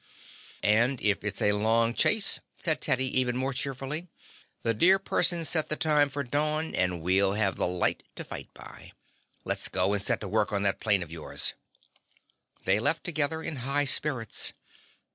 "And if it's a long chase," said Teddy even more cheerfully, "the dear person set the time for dawn, and we'll have light to fight by. Let's go and set to work on that plane of yours." They left together in high spirits.